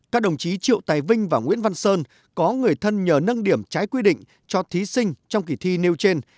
các đồng chí triệu tài vinh và nguyễn văn sơn có người thân nhờ nâng điểm trái quy định cho thí sinh trong kỳ thi nêu trên